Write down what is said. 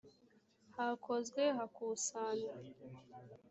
hakozwe hakusanywa